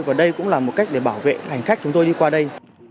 và đây cũng là một cách để bảo vệ hành khách chúng tôi đi qua đây